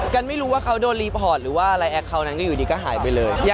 กันไม่รู้ว่าเขาโดนรีพอร์ตหรือว่าอะไรแอคเคาน์นั้นก็อยู่ดีก็หายไปเลย